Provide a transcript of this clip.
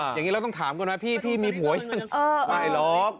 ค่ะยังงี้เราต้องถามก่อนนะพี่พี่มีผัวก็จะเออไม่รอก